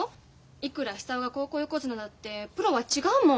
いくら久男が高校横綱だってプロは違うもん。